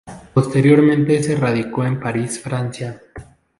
Posteriormente se radicó en París, Francia.